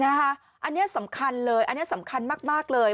อันนี้สำคัญเลยอันนี้สำคัญมากเลย